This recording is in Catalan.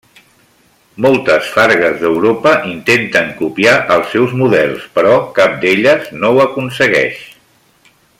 Moltes fargues d'Europa intenten copiar els seus models però cap d'elles no ho aconsegueix.